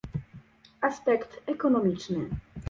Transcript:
Aspekt ekonomiczny